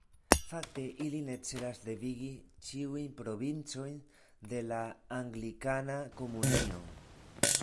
Fakte ili ne celas devigi ĉiujn provincojn de la Anglikana Komunio.